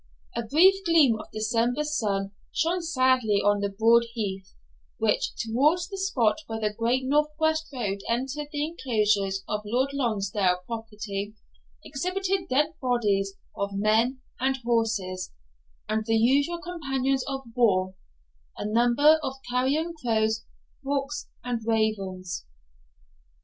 A brief gleam of December's sun shone sadly on the broad heath, which, towards the spot where the great north west road entered the enclosures of Lord Lonsdale's property, exhibited dead bodies of men and horses, and the usual companions of war, a number of carrion crows, hawks, and ravens.